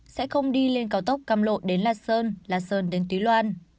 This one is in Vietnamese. sẽ không đi lên cao tốc căm lộ đến la sơn la sơn đến tuy loan